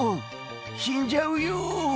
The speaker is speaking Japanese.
死んじゃうよ」